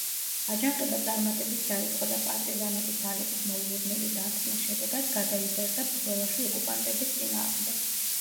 აჯანყება წარმატებით დაიწყო და პარტიზანული ძალების მოულოდნელი დარტყმის შედეგად გადაიზარდა ბრძოლაში ოკუპანტების წინააღმდეგ.